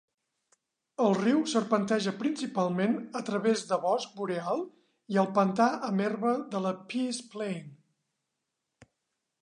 El riu serpenteja principalment a través de bosc boreal i el pantà amb herba de la Peace Plain.